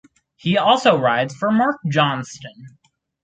He also rides for Mark Johnston.